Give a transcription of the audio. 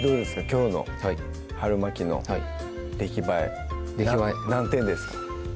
きょうの春巻きの出来栄え出来栄え何点ですか？